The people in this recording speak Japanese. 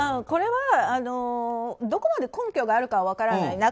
これはどこまで根拠があるかは分からない。